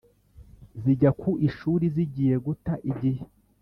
zijya ku ishuri zigiye guta igihe.